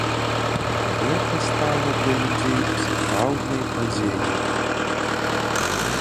Гэта стала для людзей сапраўднай падзеяй.